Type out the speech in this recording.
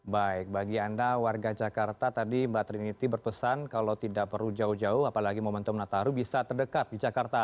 baik bagi anda warga jakarta tadi mbak trinity berpesan kalau tidak perlu jauh jauh apalagi momentum nataru bisa terdekat di jakarta